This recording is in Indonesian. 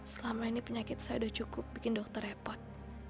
selama ini penyakit saya sudah cukup bikin dokter repot